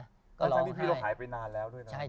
เพราะฉะนั้นพี่เราหายไปนานแล้วด้วยนะ